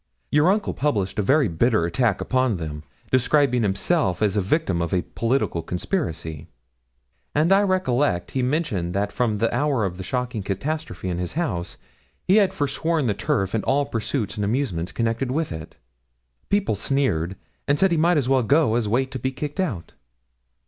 Your uncle published a very bitter attack upon them, describing himself as the victim of a political conspiracy: and I recollect he mentioned that from the hour of the shocking catastrophe in his house, he had forsworn the turf and all pursuits and amusements connected with it. People sneered, and said he might as well go as wait to be kicked out.'